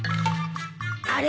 あれ？